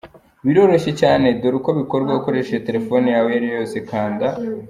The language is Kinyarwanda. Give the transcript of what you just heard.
Biroroshye cyane, dore uko bikorwa ukoresheje telefone yawe iyo ari yo yose: kanda.